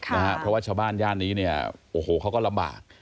เพราะว่าชาวบ้านย่านนี้เนี่ยโอ้โหเขาก็ลำบาก